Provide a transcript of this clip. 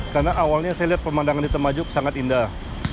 karena awalnya saya lihat pemandangan di temajuk sangat indah